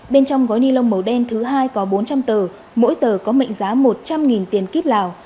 bên trong gói ni lông màu đen thứ hai có bốn trăm linh tờ mỗi tờ có mệnh giá một trăm linh tiền kíp lào